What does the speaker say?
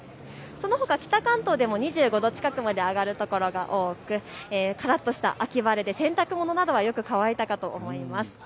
そのほか北関東でも２５度近くまで上がる所が多く、からっとした秋晴れで洗濯物がよく乾いたかと思います。